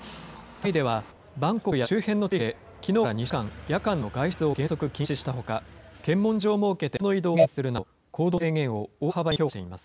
タイでは、バンコクや周辺の地域で、きのうから２週間、夜間の外出を原則禁止したほか、検問所を設けて人の移動を制限するなど、行動の制限を大幅に強化しています。